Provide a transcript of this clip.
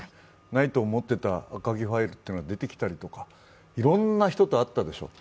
ないと思っていた赤木ファイルが出てきたりとかいろんな人と会ったでしょう。